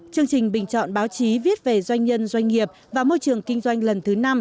chương trình bình chọn báo chí viết về doanh nhân doanh nghiệp và môi trường kinh doanh lần thứ năm